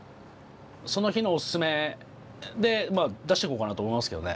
その日のオススメで出していこうかなと思いますけどね。